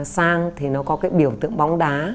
sang thì nó có cái biểu tượng bóng đá